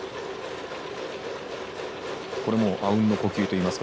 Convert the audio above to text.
これもあうんの呼吸といいますか。